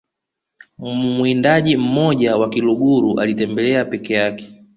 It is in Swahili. mwindaji mmoja wa kiluguru alitembea peke yake